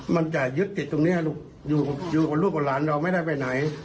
มันจะยึดติดตรงนี้ลูกอยู่กับลูกกับหลานเราไม่ได้ไปไหน